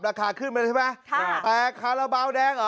ราคาขึ้นไปใช่ไหมแต่คาราบาลแดงเหรอ